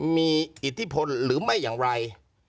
มีอิทธิพลหรือไม่อย่างไร